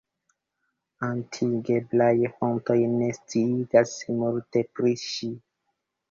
Atingeblaj fontoj ne sciigas multe pri ŝi.